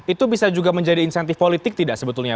itu bisa juga menjadi insentif politik tidak sebetulnya